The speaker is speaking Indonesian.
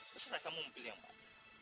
terserah kamu pilih yang mau